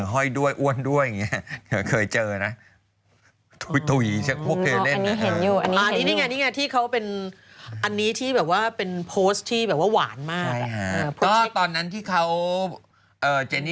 ห้อยด้วยอ้วนด้วยอย่างนี้เคยเจอนะ